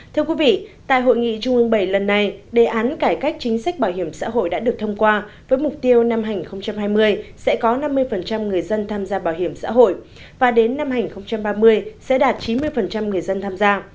thưa quý vị tại hội nghị trung ương bảy lần này đề án cải cách chính sách bảo hiểm xã hội đã được thông qua với mục tiêu năm hai nghìn hai mươi sẽ có năm mươi người dân tham gia bảo hiểm xã hội và đến năm hai nghìn ba mươi sẽ đạt chín mươi người dân tham gia